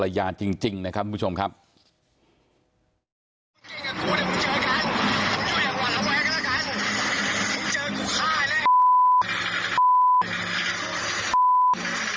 มึงความเป็นจริงก็จะทำไม่ทำมึงคอยดูมึงกลัวให้อยู่อย่างว่าอดกลัวแล้วกัน